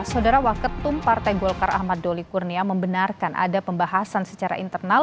saudara waketum partai golkar ahmad doli kurnia membenarkan ada pembahasan secara internal